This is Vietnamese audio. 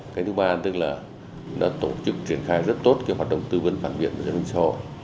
cái thứ ba tức là đã tổ chức triển khai rất tốt cái hoạt động tư vấn phản viện cho đảng xã hội